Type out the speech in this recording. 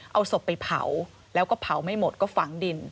เอาศพไปเผาแล้วก็เผาไม่หมดก็ฝังดิน